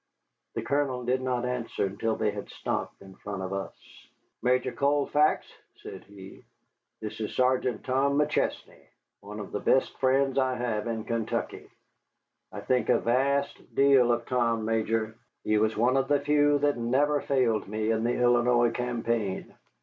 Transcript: The Colonel did not answer until they had stopped in front of us. "Major Colfax," said he, "this is Sergeant Tom McChesney, one of the best friends I have in Kentucky. I think a vast deal of Tom, Major. He was one of the few that never failed me in the Illinois campaign.